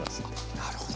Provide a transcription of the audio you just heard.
なるほど。